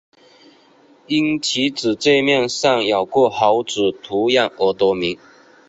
因其主界面上有个猴子图样而得名。